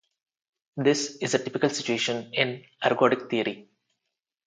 This is a typical situation in ergodic theory.